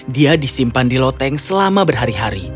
dia disimpan di loteng selama berhari hari